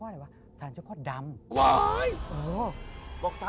พี่ยังไม่ได้เลิกแต่พี่ยังไม่ได้เลิก